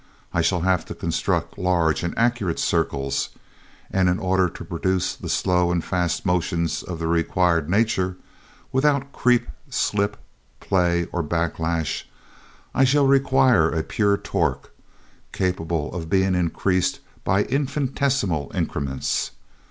I shall have to construct large and accurate circles, and in order to produce the slow and fast motions of the required nature, without creep, slip, play, or backlash, I shall require a pure torque, capable of being increased by infinitesimal increments....